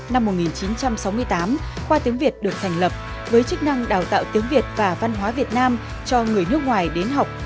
năm một nghìn chín trăm sáu mươi tám khoa tiếng việt được thành lập với chức năng đào tạo tiếng việt và văn hóa việt nam cho người nước ngoài đến học